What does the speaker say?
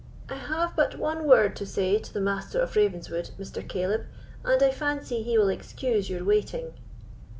—"I have but one word to say to the Master of Ravenswood, Mr. Caleb, and I fancy he will excuse your waiting."